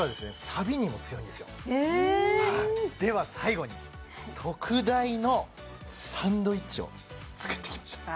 サビにも強いんですよでは最後に特大のサンドイッチを作ってきました